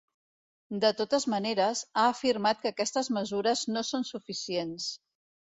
De totes maneres, ha afirmat que aquestes mesures no són suficients.